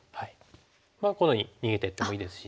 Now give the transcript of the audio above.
このように逃げていってもいいですし。